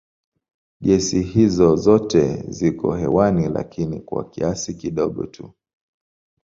Gesi hizi zote ziko hewani lakini kwa kiasi kidogo tu.